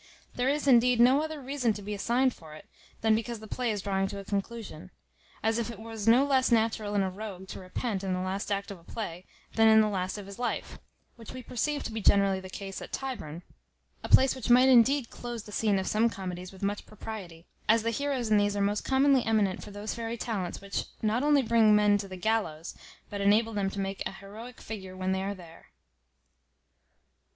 There is, indeed, no other reason to be assigned for it, than because the play is drawing to a conclusion; as if it was no less natural in a rogue to repent in the last act of a play, than in the last of his life; which we perceive to be generally the case at Tyburn, a place which might indeed close the scene of some comedies with much propriety, as the heroes in these are most commonly eminent for those very talents which not only bring men to the gallows, but enable them to make an heroic figure when they are there.